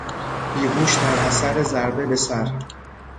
بیهوش در اثر ضربه به سر